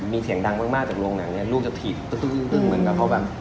มีเสียงดังมากจากลวงหลังเนี้ยลูกจะตีตุเปิ้ลเปลื้วเหมือนกับคอแบบ